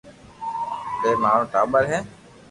ٻي مارو ٽاٻر ھي